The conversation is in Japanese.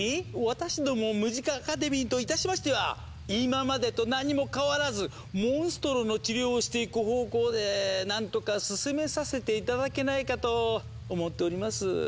私どもムジカ・アカデミーといたしましては今までと何も変わらずモンストロの治療をしていく方向でなんとか進めさせて頂けないかと思っております。